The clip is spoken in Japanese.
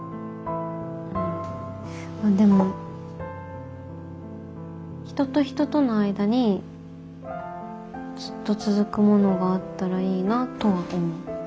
でも人と人との間にずっと続くものがあったらいいなとは思う。